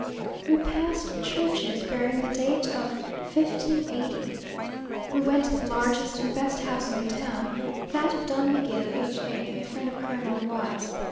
We passed churches bearing the date of 1580! We went to the largest and best house in the town, that of Don Miguel H a (a friend of Colonel Y 's).